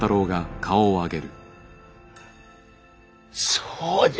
そうじゃ。